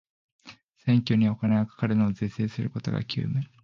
選挙にお金がかかるのを是正することが急務